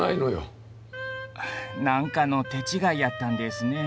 何かの手違いやったんですね。